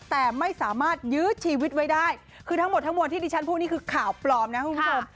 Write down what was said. แต่ไม่สามารถยื้อชีวิตไว้ได้คือทั้งหมดทั้งมวลที่ดิฉันพูดนี่คือข่าวปลอมนะครับคุณผู้ชม